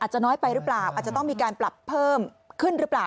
จะน้อยไปหรือเปล่าอาจจะต้องมีการปรับเพิ่มขึ้นหรือเปล่า